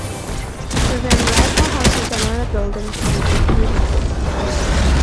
The Van Riper House is another building from the era.